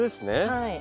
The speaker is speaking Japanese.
はい。